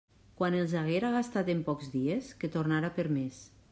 Quan els haguera gastat en pocs dies, que tornara per més.